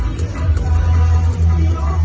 สุดยอดมีสุดยอด